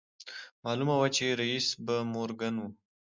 معلومه وه چې رييس به مورګان و.